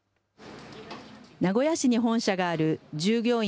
名古屋市に本社がある従業員